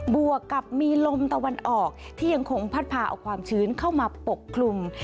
วกกับมีลมตะวันออกที่ยังคงพัดพาเอาความชื้นเข้ามาปกคลุม